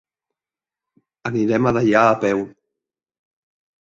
Anirem a Deià a peu.